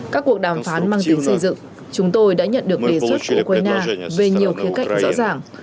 các cuộc đàm phán mang tính xây dựng chúng tôi đã nhận được đề xuất của ukraine về nhiều khía cạnh rõ ràng